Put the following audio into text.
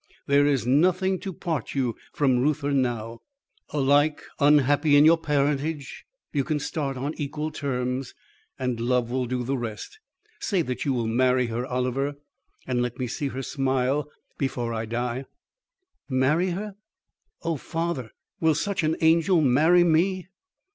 There is nothing to part you from Reuther now. Alike unhappy in your parentage, you can start on equal terms, and love will do the rest. Say that you will marry her, Oliver, and let me see her smile before I die." "Marry her? Oh, father, will such an angel marry me?"